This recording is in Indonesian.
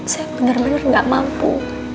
saya bener bener gak mampu